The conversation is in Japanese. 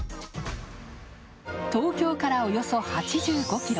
東京からおよそ８５ｋｍ。